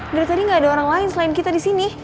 dari tadi gak ada orang lain selain kita disini